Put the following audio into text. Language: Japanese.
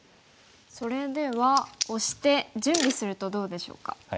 それではオシて準備するとどうでしょうか？